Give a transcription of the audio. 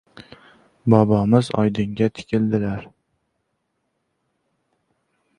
Bobomiz oydinga tikildilar.